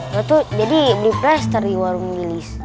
waktu jadi beli plaster di warung bilis